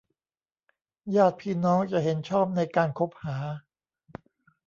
ญาติพี่น้องจะเห็นชอบในการคบหา